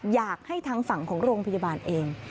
อยากให้ทางฝั่งของโรงพยาบาลเอง